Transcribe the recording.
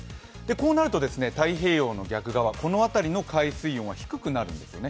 こうなるとですね、太平洋の逆側この辺りの海水温は低くなるんですよね。